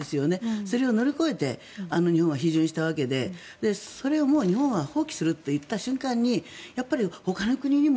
それを乗り越えて日本は批准したわけでそれを日本は放棄すると言った瞬間にほかの国にも